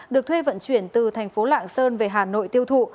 được thuê vận chuyển từ thành phố lạng sơn về hà nội tiêu thụ